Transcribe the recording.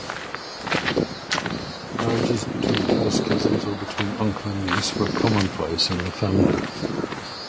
Marriages between first cousins, or between uncle and niece, were commonplace in the family.